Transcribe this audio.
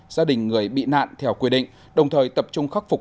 gia đình người bị nạn theo quy định đồng thời tập trung khắc phục